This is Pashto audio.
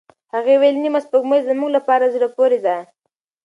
هغې وویل، نیمه سپوږمۍ زموږ لپاره زړه پورې ده.